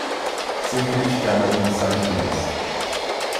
Ser criticado é pensar demais